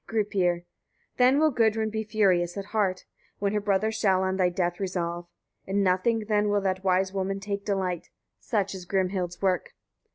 Gripir. 51. Then will Gudrun be furious at heart, when her brothers shall on thy death resolve. In nothing then will that wise woman take delight. Such is Grimhild's work.